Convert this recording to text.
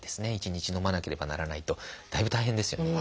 １日のまなければならないとだいぶ大変ですよね。